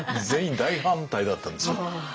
大反対だったんですね。